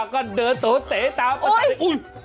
ก็เดินโตเต๋ตามประสาทนี้